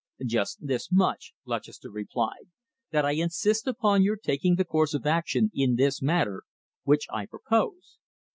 "Just this much," Lutchester replied, "that I insist upon your taking the course of action in this matter which I propose."